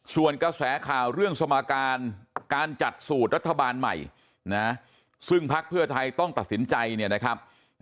ส่วนกระแสข่าวเรื่องสมการการจัดสูตรรัฐบาลใหม่นะซึ่งพักเพื่อไทยต้องตัดสินใจเนี่ยนะครับ